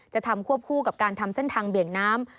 จะทำควบคู่กับการทำเส้นทางเบี่ยงน้ำ